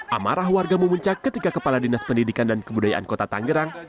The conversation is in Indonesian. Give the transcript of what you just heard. amarah warga memuncak ketika kepala dinas pendidikan dan kebudayaan kota tangerang